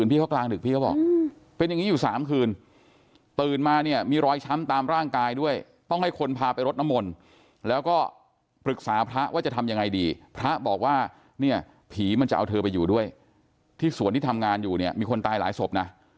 พระบอกว่านะฮะพี่มันจะเอาเธอไปอยู่ด้วยที่สวนที่ทำงานอยู่เนี่ยมีคนตายหลายศพนะ